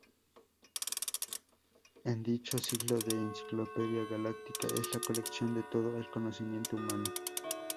En dicho ciclo la Enciclopedia Galáctica es la colección de todo el conocimiento humano.